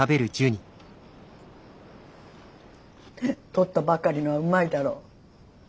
とったばかりのはうまいだろ。